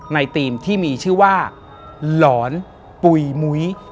ทีมที่มีชื่อว่าหลอนปุ๋ยมุ้ย